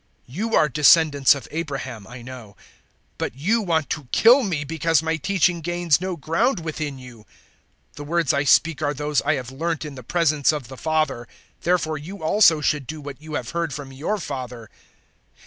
008:037 You are descendants of Abraham, I know; but you want to kill me, because my teaching gains no ground within you. 008:038 The words I speak are those I have learnt in the presence of the Father. Therefore you also should do what you have heard from your father."